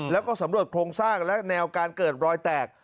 แล้วก็สำรวจโครงสร้างและแนวการเกิดรอยแตก